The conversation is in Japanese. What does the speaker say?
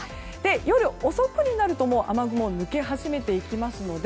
夜遅くになると雨雲、抜け始めていきますので